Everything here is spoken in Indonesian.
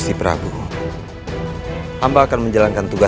tidak akan ada ketegangan punca